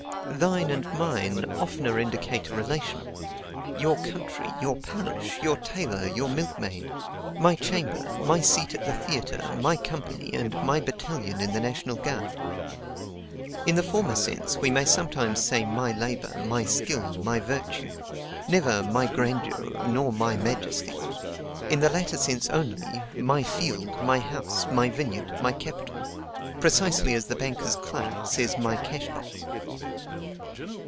THINE and MINE oftener indicate a relation, YOUR country, YOUR parish, YOUR tailor, YOUR milkmaid; MY chamber, MY seat at the theatre, MY company and MY battalion in the National Guard. In the former sense, we may sometimes say MY labor, MY skill, MY virtue; never MY grandeur nor MY majesty: in the latter sense only, MY field, MY house, MY vineyard, MY capital, precisely as the banker's clerk says MY cash box.